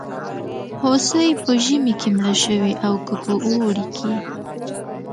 هوسۍ په ژمي کې مړه شوې او که په اوړي کې.